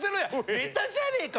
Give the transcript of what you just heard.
ネタじゃねえか！